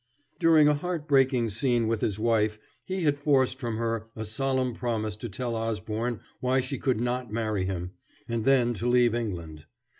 During a heart breaking scene with his wife he had forced from her a solemn promise to tell Osborne why she could not marry him, and then to leave England.